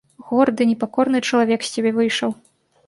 Горды, непакорны чалавек з цябе выйшаў!